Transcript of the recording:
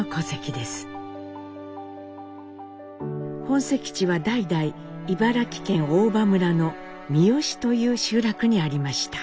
本籍地は代々茨城県大場村の三美という集落にありました。